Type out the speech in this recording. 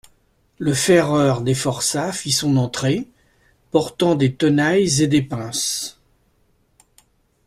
Le ferreur des forçats fit son entrée, portant des tenailles et des pinces.